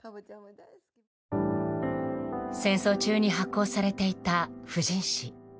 戦争中に発行されていた婦人誌。